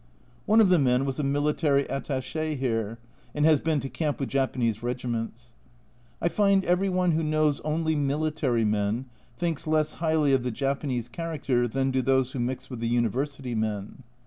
One of the men was a military attache here, and has been to camp with Japanese regiments. I find every one who knows only military men thinks less highly of the Japanese character than do those who mix with the University men.